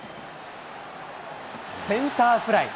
センターフライ。